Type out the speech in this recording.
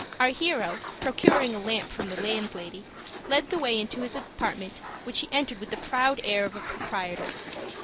Our hero, procuring a lamp from the landlady, led the way into his apartment, which he entered with the proud air of a proprietor.